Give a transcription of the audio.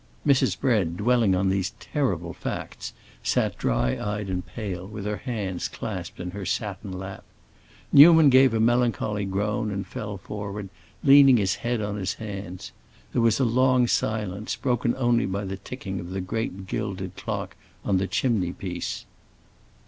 Mrs. Bread, dwelling on these terrible facts, sat dry eyed and pale, with her hands clasped in her satin lap. Newman gave a melancholy groan and fell forward, leaning his head on his hands. There was a long silence, broken only by the ticking of the great gilded clock on the chimney piece.